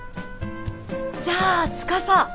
じゃあ司！